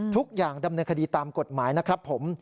ทุกอย่างดำเนื้อคดีตามกฎหมายนะครับผม